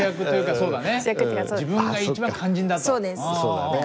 そうだね。